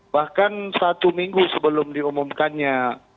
bahkan satu minggu sebelum diumumkannya